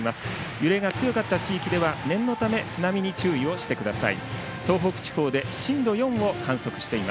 揺れが強かった沿岸部では念のため津波に注意をしてください。